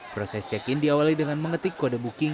proses check in diawali dengan mengetik kode booking